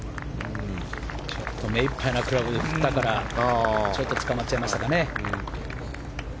目いっぱいなクラブで振ったからつかまっちゃいましたかね。